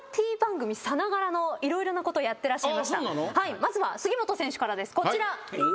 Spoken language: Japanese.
まずは杉本選手からですこちら。